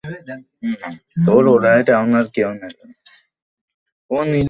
তার আগে তিনি অজ্ঞাত স্থান থেকে বিবৃতি পাঠিয়ে হরতাল-অবরোধের বার্তা দিয়ে আসছিলেন।